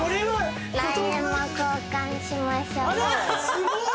すごい。